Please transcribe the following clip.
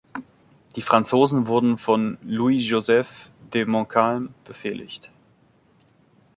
Die Franzosen wurden von Louis-Joseph de Montcalm befehligt.